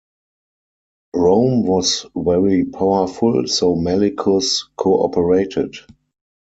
Rome was very powerful, so Malichus cooperated.